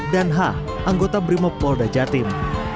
dan h anggota brimob polda jatim